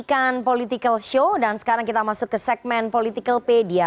kita sudah mulai dengan political show dan sekarang kita masuk ke segmen politicalpedia